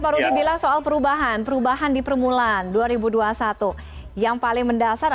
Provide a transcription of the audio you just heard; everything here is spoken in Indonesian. atau mungkin lebih punya apa saya bilang ya prediksi keuntungan yang lebih besar